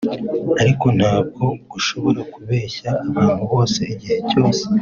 ariko ntabwo ushobora kubeshya abantu bose igihe cyose